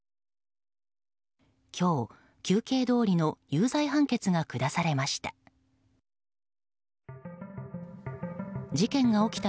今日、求刑どおりの有罪判決が下されました。